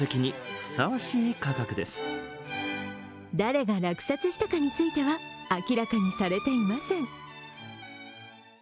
誰が落札したかについては、明らかにされていません。